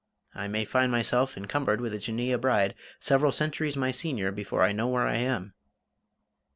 I may find myself encumbered with a Jinneeyeh bride several centuries my senior before I know where I am.